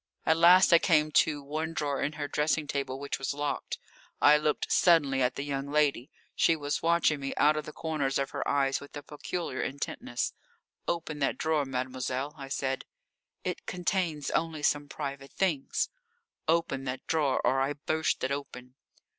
At last I came to one drawer in her dressing table which was locked. I looked suddenly at the young lady. She was watching me out of the corners of her eyes with a peculiar intentness. "Open that drawer, mademoiselle," I said. "It contains only some private things." "Open that drawer or I burst it open."